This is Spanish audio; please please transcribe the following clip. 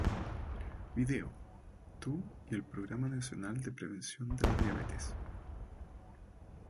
Video: Tu y el Programa Nacional de Prevención de la Diabetes